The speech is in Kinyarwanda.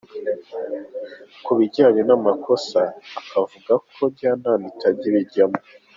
Ku bijyanye n’amasoko akavuga ko Njyanama itajya ibijyamo.